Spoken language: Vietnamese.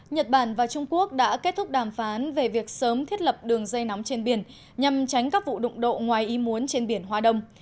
nhật bản và trung quốc đã kết thúc đàm phán về việc sớm thiết lập đường dây nóng trên biển nhằm tránh các vụ đụng độ ngoài im muốn trên biển hoa đông